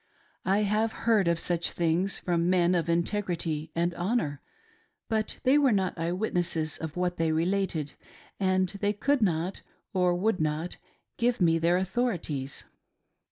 I have heard of such things from men of WHISPERINGS OF TERRIBLE DEEDS. 355 integrity and honor; but they were not «ye witnesses of what they related, and they could not, or would not, give me their authorities.